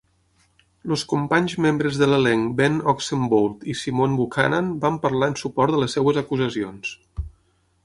Els companys membres de l'elenc Ben Oxenbould i Simone Buchanan van parlar en suport de les seves acusacions.